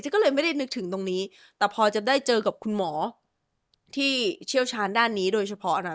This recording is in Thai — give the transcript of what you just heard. ก็เลยไม่ได้นึกถึงตรงนี้แต่พอจะได้เจอกับคุณหมอที่เชี่ยวชาญด้านนี้โดยเฉพาะอะไร